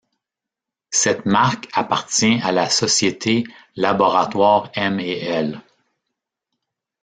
Cette marque appartient à la société Laboratoires M&L.